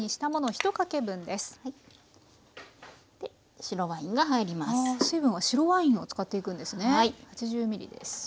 水分は白ワインを使っていくんですね。